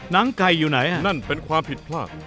หนังไก่อยู่ไหนนั่นเป็นความผิดพลาด